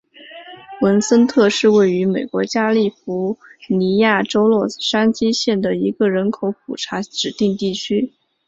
文森特是位于美国加利福尼亚州洛杉矶县的一个人口普查指定地区。